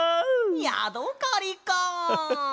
やどかりか！